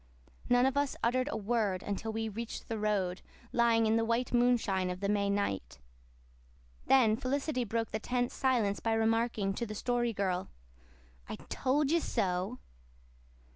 None of us uttered a word until we reached the road, lying in the white moonshine of the May night. Then Felicity broke the tense silence by remarking to the Story Girl, "I told you so!"